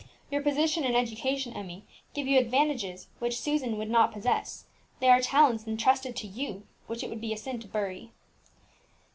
Your position and education, Emmie, give you advantages which Susan would not possess; they are talents intrusted to you, which it would be a sin to bury."